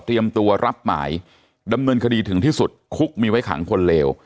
ตัวรับหมายดำเนินคดีถึงที่สุดคุกมีไว้ขังคนเลว